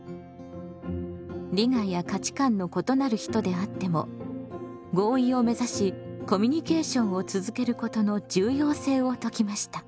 利害や価値観の異なる人であっても合意を目指しコミュニケーションを続けることの重要性を説きました。